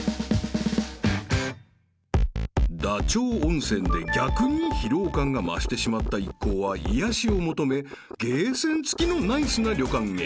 ［ダチョウ温泉で逆に疲労感が増してしまった一行は癒やしを求めゲーセン付きのナイスな旅館へ］